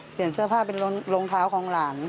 เปลี่ยนเสื้อผ้าเป็นรองเท้าของหลาน